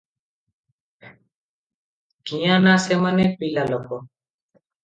କିଆଁ ନା ସେମାନେ ପିଲାଲୋକ ।